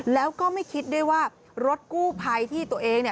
แล้วก็ไม่คิดด้วยว่ารถกู้ภัยที่ตัวเองเนี่ย